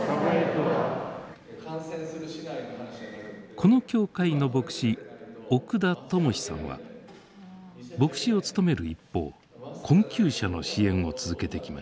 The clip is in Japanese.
この教会の牧師奥田知志さんは牧師を務める一方困窮者の支援を続けてきました。